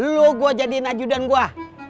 lu gua jadiin ajudan gua